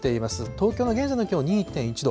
東京の現在の気温２．１度。